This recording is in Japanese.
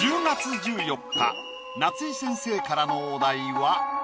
夏井先生からのお題は。